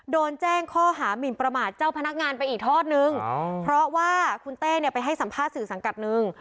โดนแจ้งข้อหามินประมาทเจ้าพนักงานไปอีกทอดนึงเพราะว่าคุณเต้เนี่ยไปให้สัมภาษณ์สื่อสังกัดหนึ่ง